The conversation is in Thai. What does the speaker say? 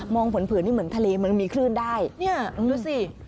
ผืนผืนนี่เหมือนทะเลมันมีคลื่นได้เนี่ยดูสิ